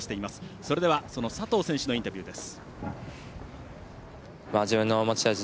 それではその佐藤選手のインタビューです。